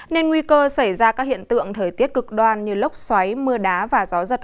nên nguy cơ xảy ra các hiện tượng thời tiết cực đoan như lốc xoáy mưa đá và gió giật